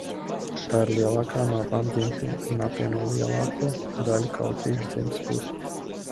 Tā ir lielākā no abām ģintīm un apvieno lielāko daļu ķauķīšu dzimtas putnu.